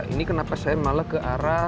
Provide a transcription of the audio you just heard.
ini kenapa saya malah ke arah